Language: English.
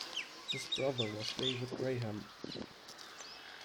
His brother was David Graham.